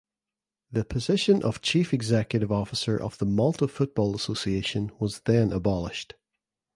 The position of chief executive officer of the Malta Football Association was then abolished.